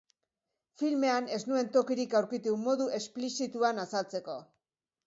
Filmean ez nuen tokirik aurkitu modu explizituan azaltzeko.